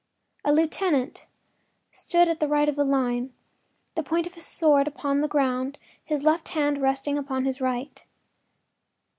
A lieutenant stood at the right of the line, the point of his sword upon the ground, his left hand resting upon his right.